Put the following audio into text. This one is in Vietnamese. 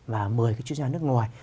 và mời các chuyên gia nước ngoài